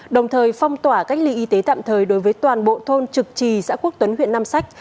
đồng thời phong tỏa cách ly y tế tạm thời đối với toàn bộ thôn trực trì xã quốc tuấn huyện nam sách